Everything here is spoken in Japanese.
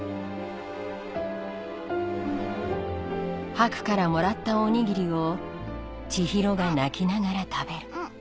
ハクからもらったおにぎりを千尋が泣きながら食べる